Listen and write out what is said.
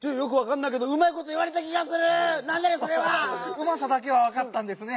うまさだけはわかったんですね。